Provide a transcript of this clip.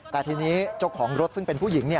แต่ทีนี้เจ้าของรถซึ่งเป็นผู้หญิง